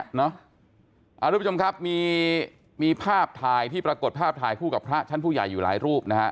คุณผู้ชมครับมีภาพถ่ายที่ปรากฏภาพถ่ายคู่กับพระชั้นผู้ใหญ่อยู่หลายรูปนะฮะ